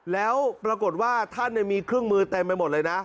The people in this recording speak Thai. แล้วปรากฏว่าท่านมีเครื่องมือเต็มไปหมดเลยนะ